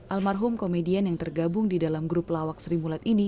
almarhum komedian yang tergabung di dalam grup pelawak seri mulet ini